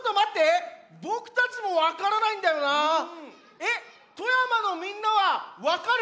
えっ富山のみんなはわかる？